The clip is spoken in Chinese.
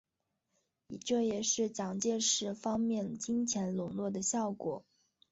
这也是蒋介石方面金钱拢络的效果。